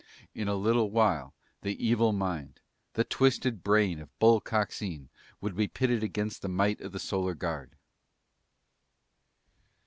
In a little while, the evil mind, the twisted brain of Bull Coxine would be pitted against the might of the Solar Guard.